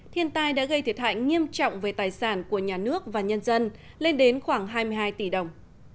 thiên tai đã gây thiệt hại nghiêm trọng về tài sản của nhà nước và nhân dân lên đến khoảng hai mươi hai tỷ đồng